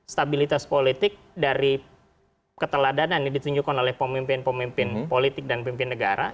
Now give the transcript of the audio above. stabilitas politik dari keteladanan yang ditunjukkan oleh pemimpin pemimpin politik dan pemimpin negara